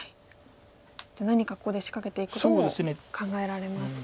じゃあ何かここで仕掛けていくことも考えられますか。